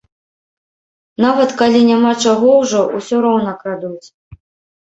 Нават калі няма чаго ўжо, усё роўна крадуць.